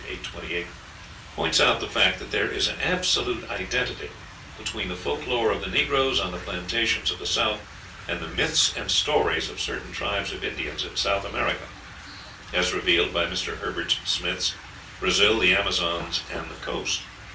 828) points out the fact that there is an absolute identity between the folk lore of the negroes on the plantations of the South and the myths and stories of certain tribes of Indians in South America, as revealed by Mr. Herbert Smith's "Brazil, the Amazons, and the Coast."